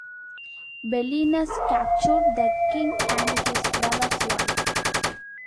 Belinus captured the king and his brother's wife.